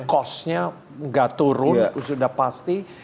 cost nya nggak turun sudah pasti